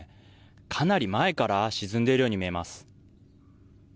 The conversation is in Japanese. かなり前から沈んでいるように見えます。